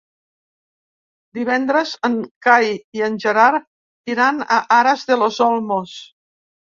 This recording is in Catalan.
Divendres en Cai i en Gerard iran a Aras de los Olmos.